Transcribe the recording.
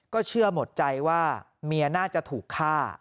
เชื่อหมดใจว่าเมียน่าจะถูกฆ่า